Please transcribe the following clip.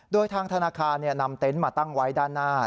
โดยทางธนาคารนำเต็นต์มาตั้งไว้ด้านหน้า